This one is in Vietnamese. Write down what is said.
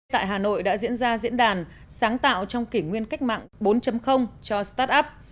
tại hà nội đã diễn ra diễn đàn sáng tạo trong kỷ nguyên cách mạng bốn cho startup